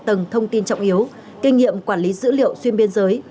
cơ sở hạ tầng thông tin trọng yếu kinh nghiệm quản lý dữ liệu xuyên biên giới